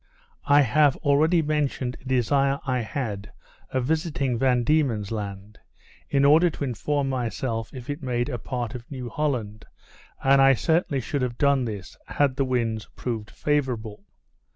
I have already mentioned a desire I had of visiting Van Diemen's Land, in order to inform myself if it made a part of New Holland; and I certainly should have done this, had the winds proved favourable.